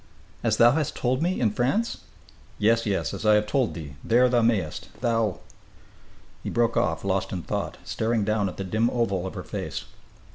As thou hast told me, in France " "Yes, yes, as I have told thee, there thou mayest thou " He broke off, lost in thought, staring down at the dim oval of her face.